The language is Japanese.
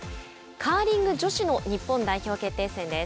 カーリング女子の日本代表決定戦です。